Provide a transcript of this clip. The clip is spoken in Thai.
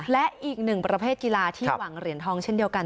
และอีกหนึ่งประเภทกีฬาที่หวังเหรียญทองเช่นเดียวกัน